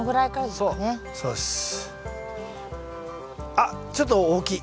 あっちょっと大きい。